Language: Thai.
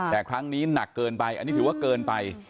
แต่ครั้งนี้หนักเกินไปอันนี้ถือว่าเกินไป